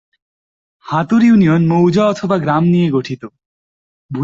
হাতুড় union মৌজা/গ্রাম নিয়ে গঠিত।